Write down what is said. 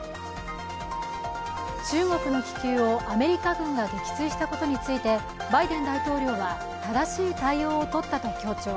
中国の気球をアメリカ軍が撃墜したことについてバイデン大統領は、正しい対応をとったと強調。